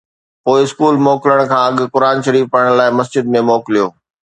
پوءِ اسڪول موڪلڻ کان اڳ قرآن شريف پڙهڻ لاءِ مسجد ۾ موڪليو